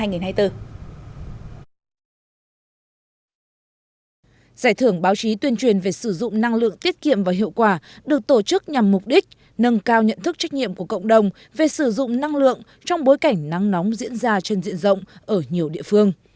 giải thưởng báo chí tuyên truyền về sử dụng năng lượng tiết kiệm và hiệu quả được tổ chức nhằm mục đích nâng cao nhận thức trách nhiệm của cộng đồng về sử dụng năng lượng trong bối cảnh nắng nóng diễn ra trên diện rộng ở nhiều địa phương